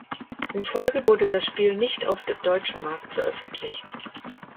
In Folge wurde das Spiel nicht auf dem deutschen Markt veröffentlicht.